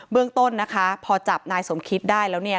เรื่องต้นนะคะพอจับนายสมคิตได้แล้วเนี่ย